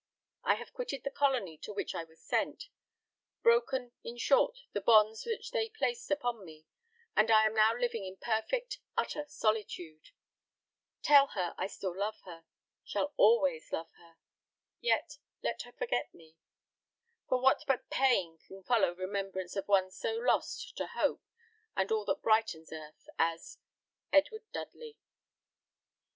I have quitted the colony to which I was sent: broken, in short, the bonds which they placed upon me, and I am now living in perfect, utter solitude. Tell her I love her still shall always love her. Yet, let her forget me; for what but pain can follow remembrance of one so lost to hope and all that brightens earth as "Edward Dudley."